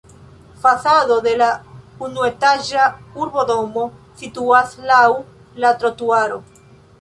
Fasado de la unuetaĝa urbodomo situas laŭ la trotuaro.